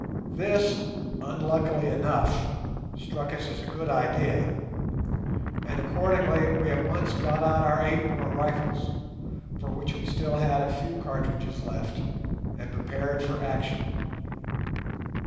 This, unluckily enough, struck us as a good idea, and accordingly we at once got out our eight bore rifles, for which we still had a few cartridges left, and prepared for action.